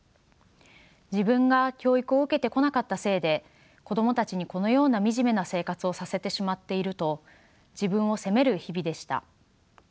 自分が教育を受けてこなかったせいで子供たちにこのような惨めな生活をさせてしまっていると自分を責める日々でした。